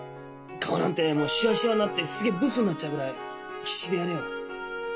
顔なんてもうシワシワになってすげえブスになっちゃうぐらい必死でやれよ。